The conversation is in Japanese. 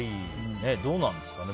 どうなんですかね？